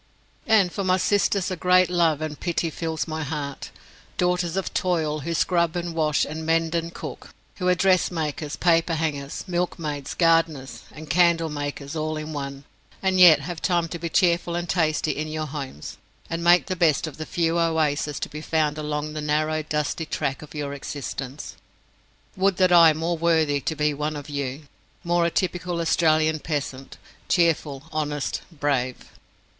And for my sisters a great love and pity fills my heart. Daughters of toil, who scrub and wash and mend and cook, who are dressmakers, paperhangers, milkmaids, gardeners, and candle makers all in one, and yet have time to be cheerful and tasty in your homes, and make the best of the few oases to be found along the narrow dusty track of your existence. Would that I were more worthy to be one of you more a typical Australian peasant cheerful, honest, brave!